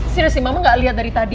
serius sih mama gak liat dari tadi